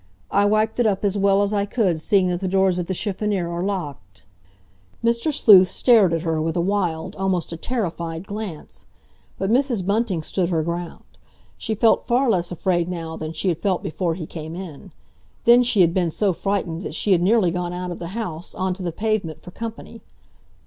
I wiped it up as well as I could, seeing that the doors of the chiffonnier are locked." Mr. Sleuth stared at her with a wild, almost a terrified glance. But Mrs. Bunting stood her ground. She felt far less afraid now than she had felt before he came in. Then she had been so frightened that she had nearly gone out of the house, on to the pavement, for company.